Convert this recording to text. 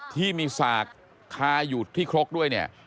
ที่มีสากคาอยู่ที่ครกด้วยเนี่ย